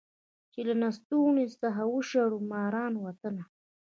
چي له لستوڼي څخه وشړو ماران وطنه